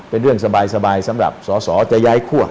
เป็นเรื่องสบายสำหรับสอสอจะย้ายคั่ว